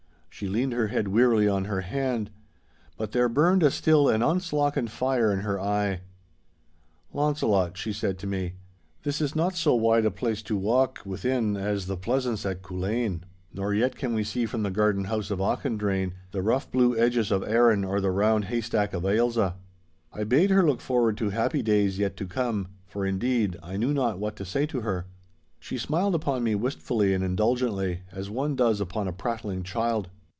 She leaned her head wearily on her hand. But there burned a still and unslockened fire in her eye. 'Launcelot,' she said to me, 'this is not so wide a place to walk within as the pleasaunce at Culzean, nor yet can we see from the garden house of Auchendrayne the rough blue edges of Arran or the round Haystack of Ailsa. I bade her look forward to happy days yet to come, for, indeed, I knew not what to say to her. She smiled upon me wistfully and indulgently, as one does upon a prattling child.